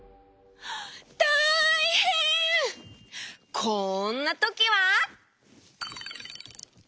こんなときは！